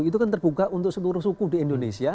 itu kan terbuka untuk seluruh suku di indonesia